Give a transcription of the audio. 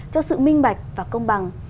cho sự minh bạch và công bằng